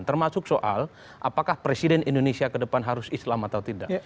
termasuk soal apakah presiden indonesia ke depan harus islam atau tidak